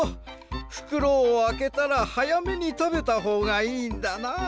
ふくろをあけたらはやめにたべたほうがいいんだな。